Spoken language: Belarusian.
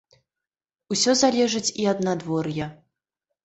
Усё залежыць і ад надвор'я.